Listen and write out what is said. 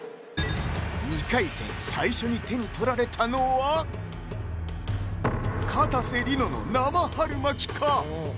２回戦最初に手に取られたのはかたせ梨乃の生春巻きか？